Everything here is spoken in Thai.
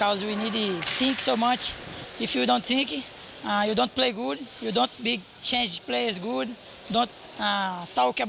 และครั้งนี้ก็ตั้งแต่๑๕ปีบาทราย